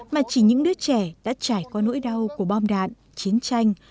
mà chỉ những đứa trẻ đã trải qua nỗi đau của bom đạn chiến tranh